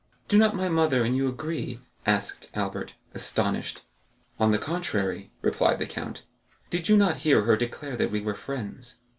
"Do not my mother and you agree?" asked Albert, astonished. "On the contrary," replied the count, "did you not hear her declare that we were friends?"